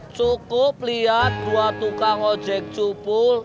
cukup lihat dua tukang ojek cupul